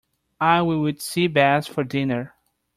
I will eat sea bass for dinner.